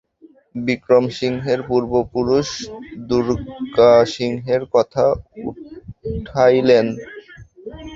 বিক্রমসিংহের পূর্বপুরুষ দুর্গাসিংহের কথা উঠাইলেন।